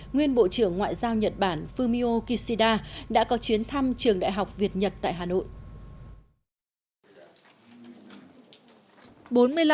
nguyên bộ trưởng ngoại giao nhật bản fumio kishida đã có chuyến thăm trường đại học việt nhật tại hà nội